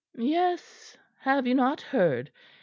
"Yes; have you not heard?